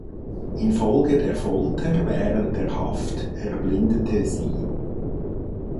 Infolge der Folter während der Haft erblindete sie.